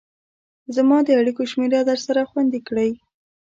زما د اړيكو شمېره درسره خوندي کړئ